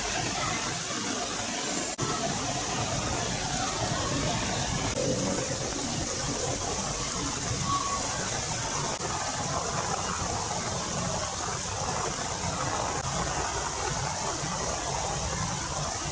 kota yang terkenal dengan